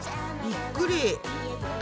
びっくり。